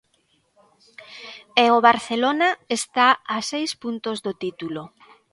E o Barcelona está a seis puntos do título.